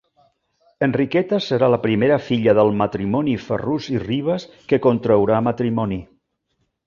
Enriqueta serà la primera filla del matrimoni Ferrús i Ribes que contraurà matrimoni.